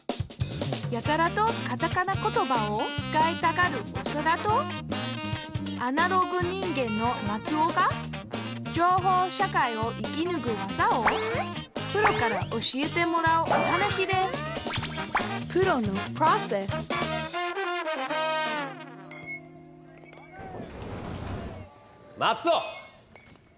やたらとカタカナ言葉を使いたがるオサダとアナログ人間のマツオが情報社会を生きぬく技をプロから教えてもらうお話ですマツオ！